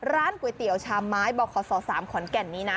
ร้านก๋วยเตี๋ยวชามไม้บขศ๓ขอนแก่นนี้นะ